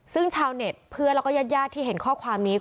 ซึ่งชาวเน็ตเพื่อนแล้วก็ญาติที่เห็นข้อความนี้